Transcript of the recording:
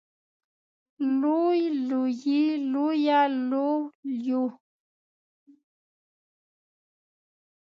لوی لویې لويه لوې لويو